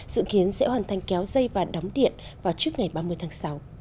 dự kiến sẽ hoàn thành kéo dây và đóng điện vào trước ngày ba mươi tháng sáu